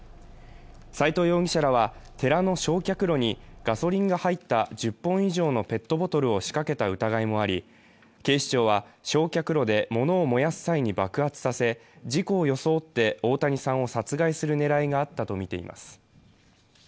斉藤容疑者らは寺の焼却炉にガソリンが入った１０本以上のペットボトルを仕掛けた疑いもあり、警視庁は焼却炉でものを燃やす際に爆発させ、大谷さんを殺害する狙いがあったとみています。